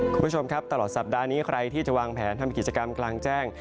คุณผู้ชมครับตลอดสัปดาห์นี้ใครที่จะวางแผนทำกิจกรรมกลางแจ้ง